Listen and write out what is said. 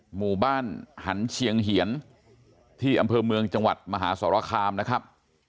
หมู่บ้านหันเชียงเหียนที่อำเภอเมืองจังหวัดมหาสรคามนะครับ